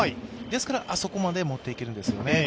ですから、あそこまで持っていけるんですよね。